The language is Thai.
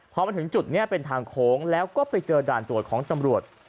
พอมาถึงจุดนี้เป็นทางโค้งแล้วก็ไปเจอด่านตรวจของตำรวจ